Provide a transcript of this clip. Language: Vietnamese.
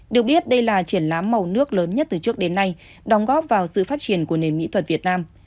được biết đây là triển lãm màu nước lớn nhất từ trước đến nay đóng góp vào sự phát triển của nền mỹ thuật việt nam